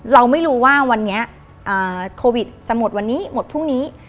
เราไม่รู้ว่าวันนี้โควิดจะหมดวันนี้หมดพรุ่งนี้